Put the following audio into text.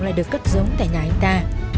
lại được cất giống tại nhà anh ta